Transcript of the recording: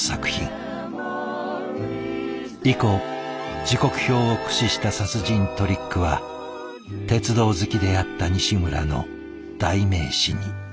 以降時刻表を駆使した殺人トリックは鉄道好きであった西村の代名詞に。